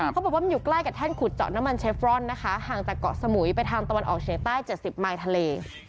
เขาบอกว่ามันอยู่ใกล้กับแท่นขุดเจาะน้ำมันเชฟรอนนะคะห่างจากเกาะสมุยไปทางตะวันออกเฉียงใต้๗๐มายทะเล